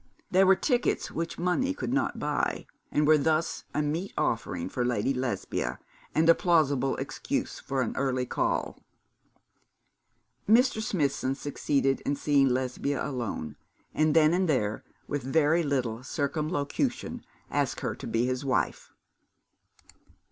They were tickets which money could not buy, and were thus a meet offering for Lady Lesbia, and a plausible excuse for an early call. Mr. Smithson succeeded in seeing Lesbia alone, and then and there, with very little circumlocution, asked her to be his wife.